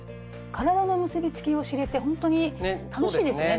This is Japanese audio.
体の結び付きを知れてほんとに楽しいですね